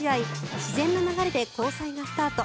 自然な流れで交際がスタート。